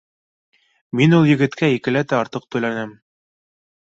Мин ул егеткә икеләтә артыҡ түләнем